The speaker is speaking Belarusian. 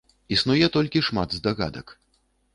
Існуе толькі шмат здагадак.